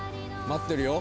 待ってるよ。